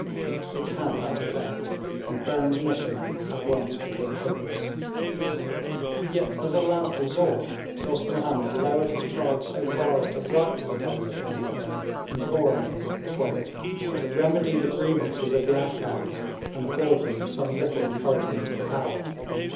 It had that effect, and Burnes' mission at once became hopeless. Yet, as a last resort, Dost Mahomed lowered his pride so far as to write to the Governor General imploring him 'to remedy the grievances of the Afghans, and afford them some little encouragement and power.'